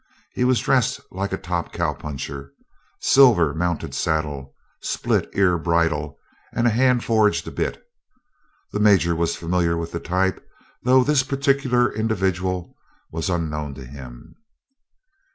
He was dressed like a top cowpuncher silver mounted saddle, split ear bridle and hand forged bit. The Major was familiar with the type, though this particular individual was unknown to him.